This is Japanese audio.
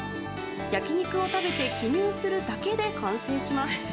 焼き肉を食べて記入するだけで完成します。